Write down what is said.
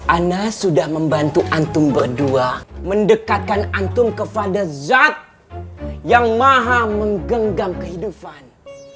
ana sudah membantu antum berdua mendekatkan antum kepada zat yang maha menggenggam kehidupan